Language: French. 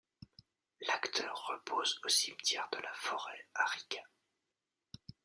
L'acteur repose au Cimetière de la Forêt à Riga.